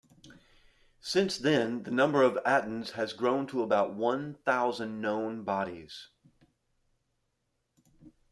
Since then the number of Atens has grown to about one thousand known bodies.